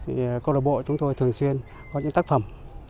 các công đồng bộ chúng tôi thường xuyên có những tác phẩm